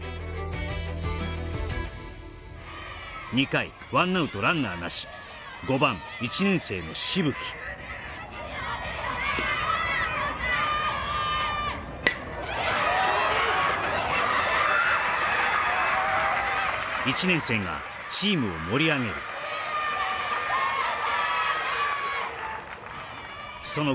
２回１アウトランナーなし５番１年生の渋木１年生がチームを盛り上げるよっしゃー！